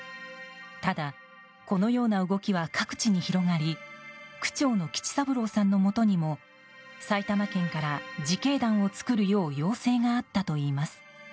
ただ、このような動きは各地に広がり区長の吉三郎さんのもとにも埼玉県から自警団を作るよう要請があったといいます。